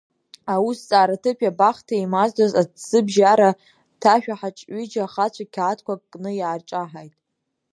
Аусҭҵаара ҭыԥи абахҭеи еимаздоз аҭӡыбжьара ҭашәаҳаҿ ҩыџьа ахацәа, қьаадқәак кны, иаарҿаҳаит.